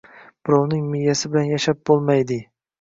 Birovning miyasi bilan yashab bo‘lmayding